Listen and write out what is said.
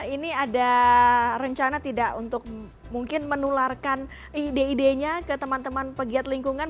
ini ada rencana tidak untuk mungkin menularkan ide idenya ke teman teman pegiat lingkungan